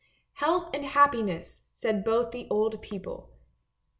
" Health and happiness! " said both the old people.